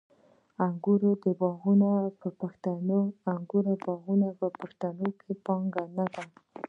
آیا د انګورو باغونه د پښتنو پانګه نه ده؟